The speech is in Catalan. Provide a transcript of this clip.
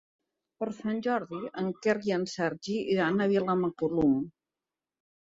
Per Sant Jordi en Quer i en Sergi iran a Vilamacolum.